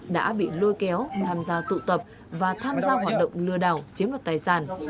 đã bị lôi kéo tham gia tụ tập và tham gia hoạt động lừa đảo chiếm đoạt tài sản